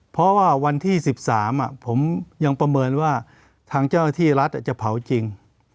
เพราะว่าวันที่๑๓ผมยังประเมินว่าทางเจ้าหน้าที่รัฐจะเผาจริง